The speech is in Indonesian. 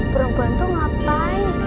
perempuan tuh ngapain